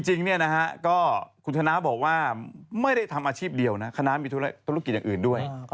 จริงคุณคณะบอกว่าไม่ได้ทำอาชีพเดียวคณะมีธุรกิจอย่างอื่นด้วย